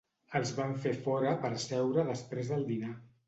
Els vam fer fora per seure després del dinar.